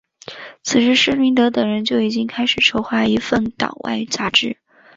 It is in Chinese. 此时施明德等人就已经开始筹划一份党外杂志。